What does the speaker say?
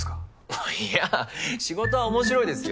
あっいや仕事は面白いですよ。